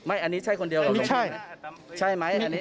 อันนี้ใช่คนเดียวกับหลวงพี่ใช่ไหม